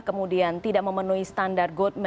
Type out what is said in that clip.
kemudian tidak memenuhi standar